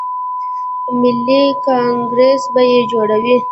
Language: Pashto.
ملي کانګریس به یې جوړوي.